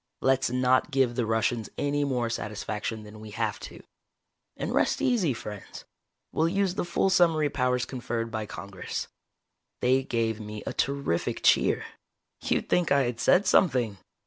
Let's not give the Russians any more satisfaction than we have to. And rest easy, friends. We'll use the full summary powers conferred by Congress." They gave me a terrific cheer. You'd think I had said something.